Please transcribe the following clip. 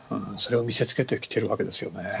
それを見せつけてきているわけですよね。